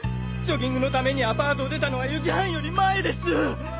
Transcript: ジョギングのためにアパートを出たのは４時半より前です。